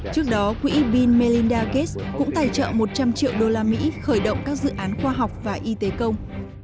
trước đó quỹ bin melinda gates cũng tài trợ một trăm linh triệu đô la mỹ khởi động các dự án khoa học và y tế công